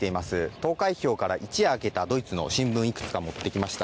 投開票から一夜明けたドイツの新聞、いくつか持ってきました。